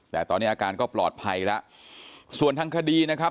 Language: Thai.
แต่ตอนนี้อาการก็ปลอดภัยแล้วส่วนทางคดีนะครับ